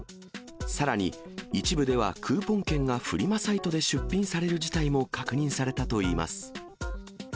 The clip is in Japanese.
さらに、一部ではクーポン券がフリマサイトで出品される事態も確認されたといいます。